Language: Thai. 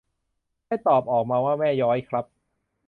ให้ตอบออกมาว่าแม่ย้อยครับ